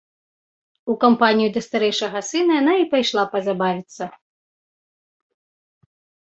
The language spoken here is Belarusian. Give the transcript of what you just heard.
У кампанію да старэйшага сына яна і пайшла пазабавіцца.